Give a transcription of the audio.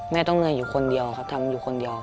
ต้องเหนื่อยอยู่คนเดียวครับทำอยู่คนเดียว